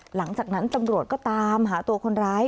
หลังจากนั้นตำรวจก็ตามหาตัวคนร้าย